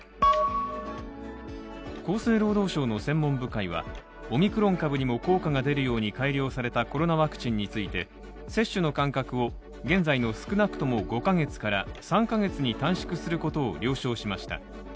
厚生労働省の専門部会は、オミクロン株にも効果が出るように改良されたコロナワクチンについて、接種の間隔を現在の少なくとも５か月から３か月に短縮することを了承しました。